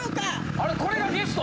あれっこれがゲスト？